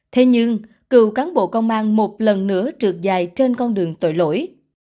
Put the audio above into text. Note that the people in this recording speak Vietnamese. thế nhưng cựu cán bộ công an một lần nữa trượt dài trên con đường tội lỗi